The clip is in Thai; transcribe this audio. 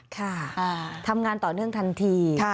ค่ะทำงานต่อเนื่องทันที